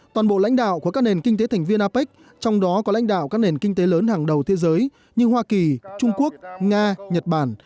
toàn bộ lãnh đạo của các nền kinh tế thành viên apec trong đó có lãnh đạo các nền kinh tế lớn hàng đầu thế giới như hoa kỳ trung quốc nga nhật bản